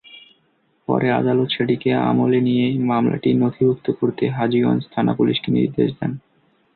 পরে আদালত সেটিকে আমলে নিয়ে মামলাটি নথিভুক্ত করতে হাজীগঞ্জ থানা-পুলিশকে নির্দেশ দেন।